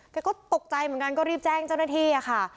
แกก็ตกใจเหมือนกันก็รีบแจ้งเจ้าหน้าที่ค่ะ